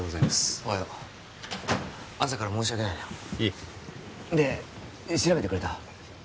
おはよう朝から申し訳ないないえで調べてくれた？